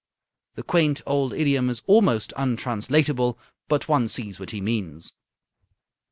The quaint old idiom is almost untranslatable, but one sees what he means.